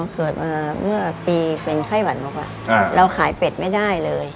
เกิดมาเมื่อปีเป็นไข้หวัดนกเราขายเป็ดไม่ได้เลย